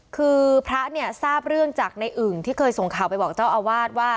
คือพระเนี่ยทราบเรื่องจากในอึ่งที่เคยส่งข่าวไปบอกเจ้าอาวาสว่า